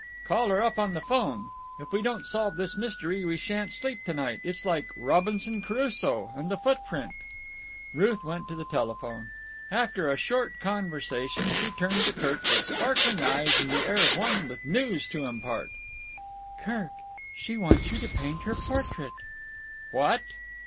"Call her up on the phone. If we don't solve this mystery we shan't sleep to night. It's like Robinson Crusoe and the footprint." Ruth went to the telephone. After a short conversation she turned to Kirk with sparkling eyes and the air of one with news to impart. "Kirk! She wants you to paint her portrait!" "What!"